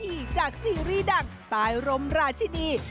ขังสระภิกษ์ออกจากศรีรีย์ดังตายลมราชดี